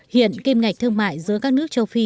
hiện kim ngạch thương mại giữa các nước châu phi